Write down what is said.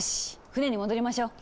船に戻りましょう。